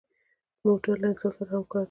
موټر له انسان سره همکار دی.